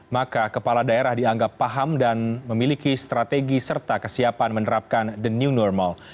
maka kepala daerah dianggap paham dan memiliki strategi serta kesiapan menerapkan the new normal